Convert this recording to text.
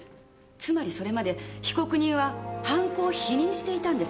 つまりそれまで被告人は犯行を否認していたんです。